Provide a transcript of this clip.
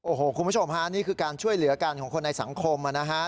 โอ้โหคุณผู้ชมฮะนี่คือการช่วยเหลือกันของคนในสังคมนะฮะ